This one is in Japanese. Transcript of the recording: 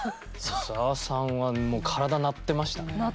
小沢さんはもう鳴ってましたよね？